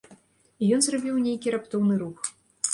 І ён зрабіў нейкі раптоўны рух.